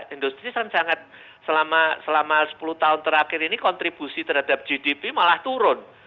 industri kan sangat selama sepuluh tahun terakhir ini kontribusi terhadap gdp malah turun